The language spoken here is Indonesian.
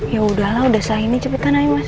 yaudah lah udah sehari ini cepetan aja mas